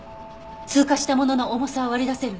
通過したものの重さは割り出せる？